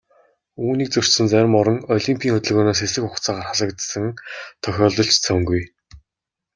Үүнийг зөрчсөн зарим орон олимпын хөдөлгөөнөөс хэсэг хугацаагаар хасагдсан тохиолдол ч цөөнгүй.